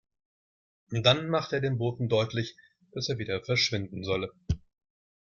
Dann machte er dem Boten deutlich, dass er wieder verschwinden solle.